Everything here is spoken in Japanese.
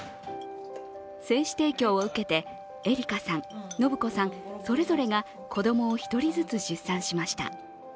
精子提供を受けて、エリカさん、信子さんそれぞれが子供を１人ずつ出産しました。